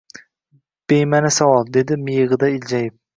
Be`mani savol, dedi miyig`ida iljayib